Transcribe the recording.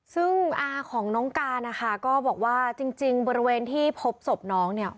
ซึ่งอาของน้องการนะคะก็บอกว่าจริงบริเวณที่พบศพน้องเนี่ย